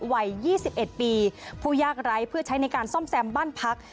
วัย๒๑ปีผู้ยากไร้เพื่อใช้ในการซ่อมแซมบ้านพัก